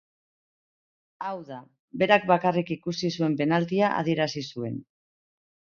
Hau da, berak bakarrik ikusi zuen penaltia adierazi zuen.